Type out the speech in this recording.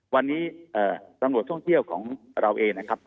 วันนี้ตำรวจท่องเที่ยวของเราเองนะครับ